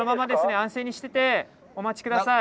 安静にしててお待ち下さい。